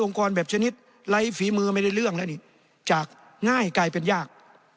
กรแบบชนิดไร้ฝีมือไม่ได้เรื่องแล้วนี่จากง่ายกลายเป็นยาก